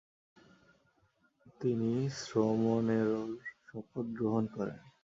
তিনি শ্রমণেরর শপথ গ্রহণ করেন।